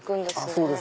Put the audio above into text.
そうです。